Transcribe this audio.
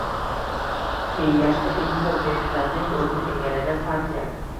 Kengashda eng ko‘p deputatlik o‘rnini egallagan partiya